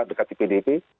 dekat di pdp